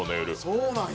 そうなんや。